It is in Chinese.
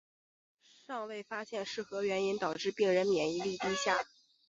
尚未发现是何原因导致病人免疫力低下。